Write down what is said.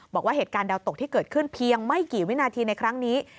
บอกว่าเหตุการณ์ดาวตกที่เกิดขึ้นเพียงไม่กี่วินาทีในครั้งนี้